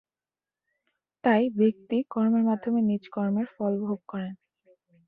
তাই ব্যক্তি কর্মের মাধ্যমে নিজ কর্মের ফল ভোগ করেন।